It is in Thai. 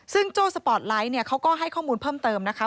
ซึ่งโจ้สปอร์ตไลท์เนี่ยเขาก็ให้ข้อมูลเพิ่มเติมนะคะ